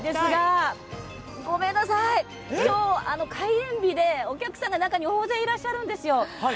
今日、開園日でお客さんが中に大勢いらっしゃるんですよ。